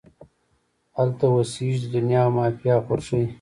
هلته اوسیږې د دنیا او مافیها خوښۍ